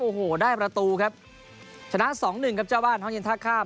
โอ้โหได้ประตูครับชนะสองหนึ่งครับเจ้าบ้านห้องเย็นท่าข้าม